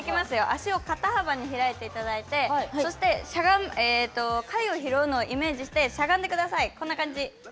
足を肩幅に開いていただいてそして貝を拾うのをイメージしてしゃがんでください。